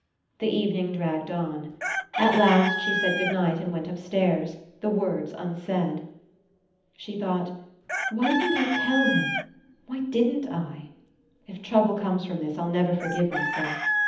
The evening dragged. At last she said good night and went upstairs, the words un said. She thought: *'Why didn't I tell him? Why didn't I? If trouble comes from this, I'll never forgive myself.